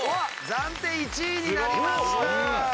暫定１位になりました！